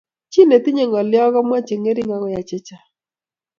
Chi netinyei ng'ulotyo komwoe che ng'ering' ak koyai chechang.